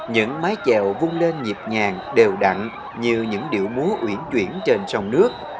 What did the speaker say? những mái chèo vung nên nhịp nhàng đều đặn như những điệu múa uyển chuyển trên sông nước